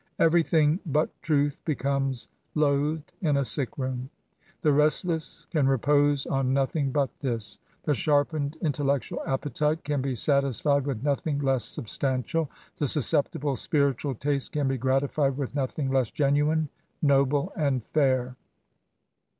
Everything but truth becomes loathed in a sick room. The restless can repose on nothing but this: the sharpened intellectual appetite can be satisfied with nothing less substantial ; the susceptible spiritual taste can be gratified with nothing less genuine, noble, and fair.